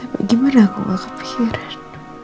tapi gimana aku gak kepikiran